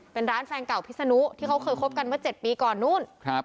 เป็นร้านแฟนเก่าพิษนุที่เขาเคยคบกันเมื่อ๗ปีก่อนนู้น